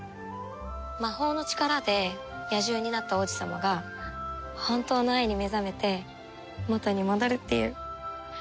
魔法の力で野獣になった王子様が本当の愛に目覚めて元に戻るっていう。